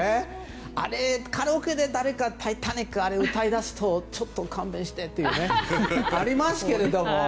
カラオケで、誰か「タイタニック」を歌いだすとちょっと勘弁してっていうのもありますけど。